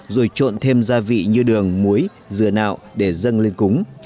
rồi trộn thêm gia vị như đường muối dừa nạo để dâng lên cúng